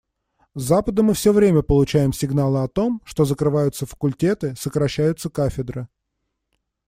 С Запада мы все время получаем сигналы о том, что закрываются факультеты, сокращаются кафедры.